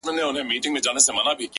د خپل ژوند په يوه خړه آئينه کي;